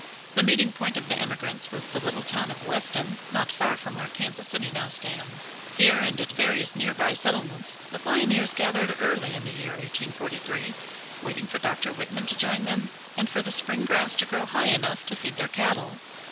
The meeting point of the emigrants was the little town of Weston, not far from where Kansas City now stands. Here and at various near by settlements the pioneers gathered early in the year 1843, waiting for Dr. Whitman to join them, and for the spring grass to grow high enough to feed their cattle.